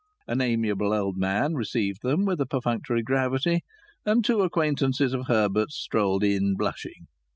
An amiable old man received them with a perfunctory gravity, and two acquaintances of Herbert's strolled in, blushing.